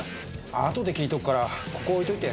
後で聴いとくからここ置いといて。